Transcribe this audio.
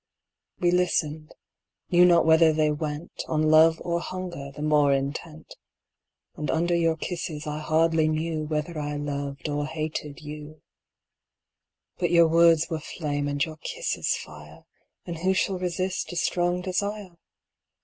We listened; knew not whether they went On love or hunger the more intent. And under your kisses I hardly knew Whether I loved or hated you. But your words were flame and your kisses fire, And who shall resist a strong desire?